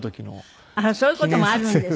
あっそういう事もあるんですか。